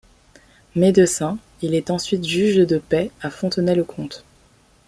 Médecin, il est ensuite juge de paix à Fontenay-le-Comte.